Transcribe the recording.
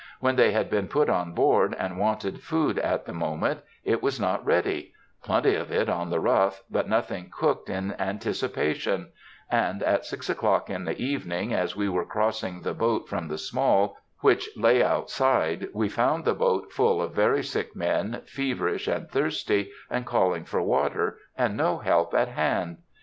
When they had been put on board, and wanted food at the moment, it was not ready,—plenty of it in the rough, but nothing cooked in anticipation; and at six o'clock in the evening, as we were crossing the boat from the Small, which lay outside, we found the boat full of very sick men, feverish and thirsty, and calling for water, and no help at hand.